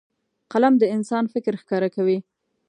قلم د انسان فکر ښکاره کوي